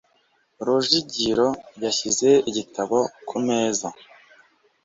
Rujigiro yashyize igitabo ku meza.